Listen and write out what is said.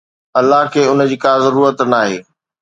الله کي ان جي ڪا ضرورت ناهي